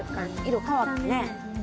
色変わったね。